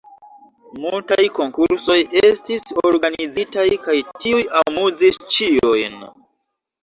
Multaj konkursoj estis organizitaj, kaj tiuj amuzis ĉiujn.